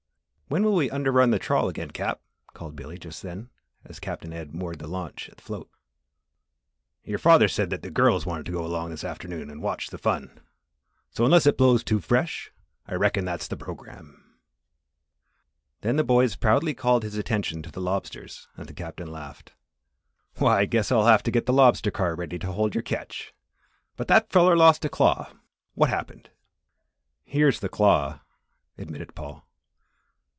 "When will we under run the trawl again, Cap?" called Billy, just then, as Captain Ed moored the launch at the float. "Your father said that the girls wanted to go along this afternoon and watch the fun; so, unless it blows too fresh, I reckon that's the programme." Then the boys proudly called his attention to the lobsters and the Captain laughed. "Why, I guess I'll have to get the lobster car ready to hold your catch. But that feller lost a claw what happened?" "Here's the claw," admitted Paul.